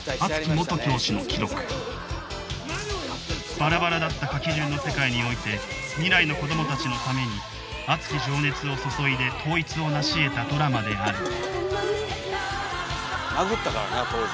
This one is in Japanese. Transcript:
バラバラだった書き順の世界において未来の子どもたちのために熱き情熱を注いで統一をなしえたドラマである殴ったからな当時。